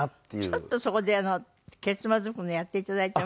ちょっとそこでけつまずくのやって頂いても。